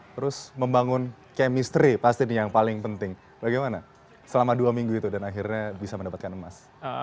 terus membangun chemistry pasti nih yang paling penting bagaimana selama dua minggu itu dan akhirnya bisa mendapatkan emas